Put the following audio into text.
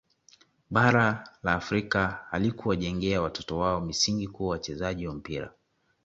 Bara la Afrika halikuwajengea watoto wao misingi kuwa wachezaji wa mpira